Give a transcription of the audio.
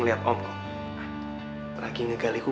boy kamu jangan gitu